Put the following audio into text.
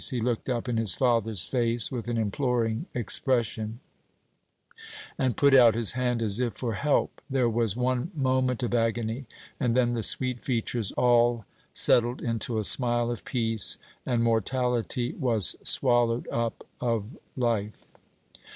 He looked up in his father's face with an imploring expression, and put out his hand as if for help. There was one moment of agony, and then the sweet features all settled into a smile of peace, and "mortality was swallowed up of life."